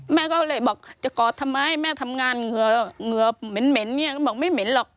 แม่ก็เลยบอกจะกอดทำไมแม่ทำงานเหงื่อเหม็นเนี่ยก็บอกไม่เหม็นหรอก